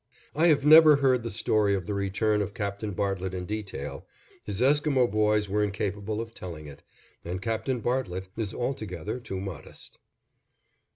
I have never heard the story of the return of Captain Bartlett in detail; his Esquimo boys were incapable of telling it, and Captain Bartlett is altogether too modest.